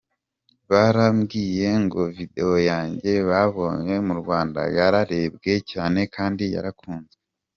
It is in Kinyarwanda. Barambwiye ngo ’video’ yanjye babonye mu Rwanda yararebwe cyane kandi yarakunzwe.